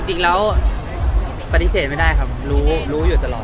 จริงแล้วปฏิเสธไม่ได้ครับรู้รู้อยู่ตลอด